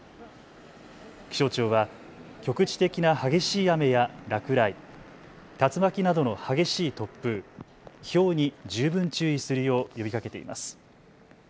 気象庁は局地的な激しい雨や落雷、竜巻などの激しい突風、ひょうに十分注意するよう呼びかけています。